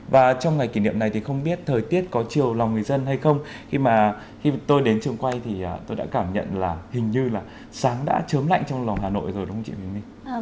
và trong ngày kỷ niệm này thì không biết thời tiết có chiều lòng người dân hay không khi mà khi tôi đến trường quay thì tôi đã cảm nhận là hình như là sáng đã chớm lạnh trong lòng hà nội rồi đúng không chị bình đi